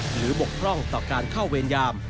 หรือบกล้องต่อการเข้าเวญยาม